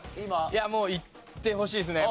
いやもういってほしいですね。